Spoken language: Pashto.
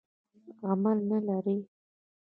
عمل نه لري.